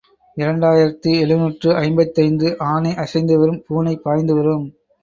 இரண்டு ஆயிரத்து எழுநூற்று ஐம்பத்தைந்து ஆனை அசைந்து வரும் பூனை பாய்ந்து வரும்.